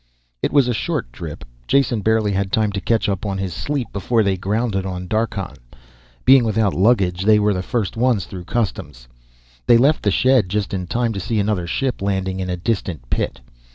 It was a short trip. Jason barely had time to catch up on his sleep before they grounded on Darkhan. Being without luggage they were the first ones through customs. They left the shed just in time to see another ship landing in a distant pit.